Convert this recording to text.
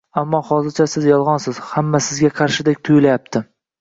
Ammo hozircha siz yolg’izsiz, hamma sizga qarshidek tuyulayapti